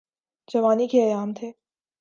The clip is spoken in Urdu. جوانی کے ایام تھے۔